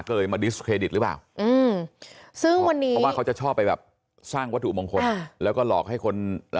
ก็เลยมาดิสเครดิตหรือเปล่าเพราะว่าเขาจะชอบไปแบบสร้างวัตถุมงคล